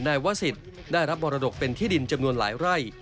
นายวศิษย์ได้รับมรดกเป็นที่ดินจำนวนหลายไร่